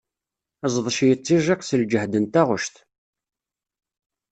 Ẓdec yettijiq s lǧahd n taɣect.